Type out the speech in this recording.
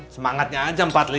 semangatnya aja empat lima